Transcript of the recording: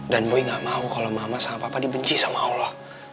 dan boy gak mau kalau mama sama papa dibenci sama allah